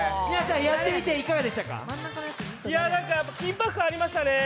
緊迫感ありましたね。